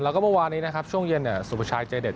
แล้วก็เมื่อวานนี้นะครับช่วงเย็นสุประชายใจเด็ด